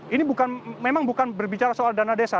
ini memang bukan berbicara soal dana desa